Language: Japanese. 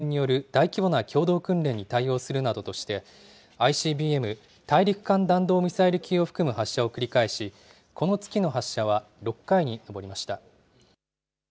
去年１１月には、アメリカと韓国の空軍による大規模な共同訓練に対応するなどとして、ＩＣＢＭ・大陸間弾道ミサイル級を含む発射を繰り返し、この月の発射は６回に上りました。